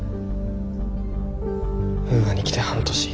ウーアに来て半年。